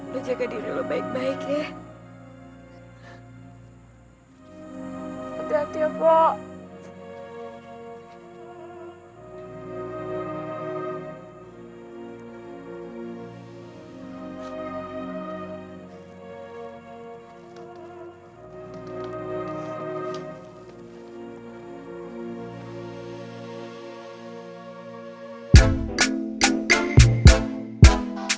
lo jaga diri lo baik baik ya